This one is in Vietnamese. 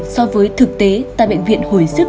so với thực tế tại bệnh viện hồi sức